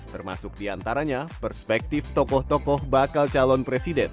termasuk di antaranya perspektif tokoh tokoh bakal calon presiden